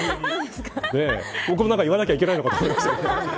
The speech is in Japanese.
僕も何か言わなきゃいけないのかと思いました。